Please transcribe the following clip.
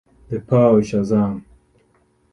The Power of Shazam!